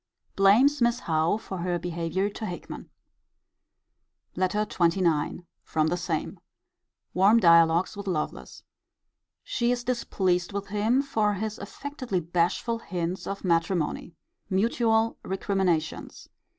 Blames Miss Howe for her behaviour to Hickman. LETTER XXIX. From the same. Warm dialogues with Lovelace. She is displeased with him for his affectedly bashful hints of matrimony. Mutual recriminations.